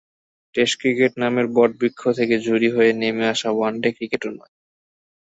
Test cricket নামের বটবৃক্ষ থেকে ঝুরি হয়ে নেমে আসা ওয়ানডে ক্রিকেটও নয়।